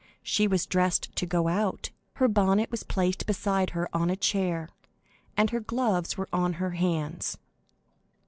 She was dressed to go out, her bonnet was placed beside her on a chair, and her gloves were on her hands.